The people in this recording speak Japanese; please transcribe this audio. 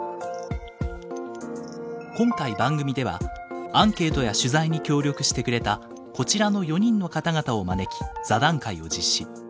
今回番組ではアンケートや取材に協力してくれたこちらの４人の方々を招き座談会を実施。